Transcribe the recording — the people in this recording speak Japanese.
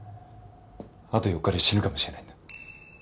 あと４日で死ぬかもしれないんだ。